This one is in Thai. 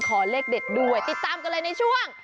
ขอเลขเด็ดด้วยติดตามกันเลยในช่วง